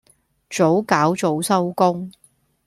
早搞早收工